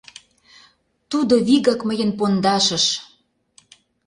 Тудо вигак мыйын пондашыш...